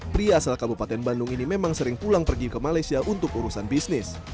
pria asal kabupaten bandung ini memang sering pulang pergi ke malaysia untuk urusan bisnis